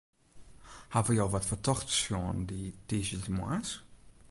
Hawwe jo wat fertochts sjoen dy tiisdeitemoarns?